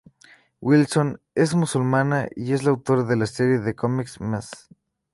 Wilson es musulmana, y es la autora de la serie de cómics "Ms.